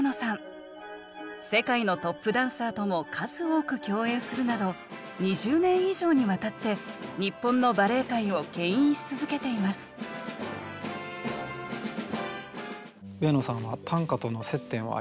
世界のトップダンサーとも数多く共演するなど２０年以上にわたって日本のバレエ界をけん引し続けています上野さんは短歌との接点はありますか？